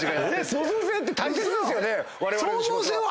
創造性って大切ですよね